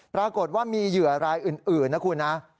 ปรากฏว่ามีเหยื่อรายอื่นนะคุณนะ